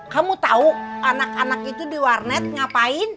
kamu tahu anak anak itu di warnet ngapain